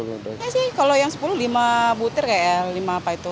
kayaknya sih kalau yang sepuluh lima butir kayak ya lima apa itu